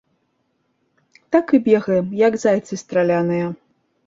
Так і бегаем, як зайцы страляныя.